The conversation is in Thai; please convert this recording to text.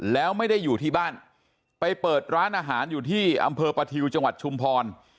แล้วไม่ได้อยู่ที่บ้านไปเปิดร้านอาหารอยู่ที่อำเภอประทิวจังหวัดชุมพร